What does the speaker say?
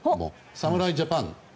侍ジャパン。